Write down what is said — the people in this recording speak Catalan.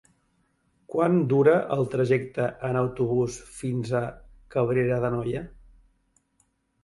Quant dura el trajecte en autobús fins a Cabrera d'Anoia?